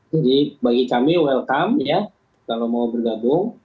jadi bagi kami welcome ya kalau mau bergabung